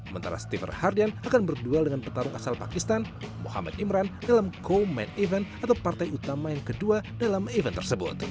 mentara stepher hardian akan berduel dengan petarung asal pakistan mohamed imran dalam co main event atau partai utama yang kedua dalam event tersebut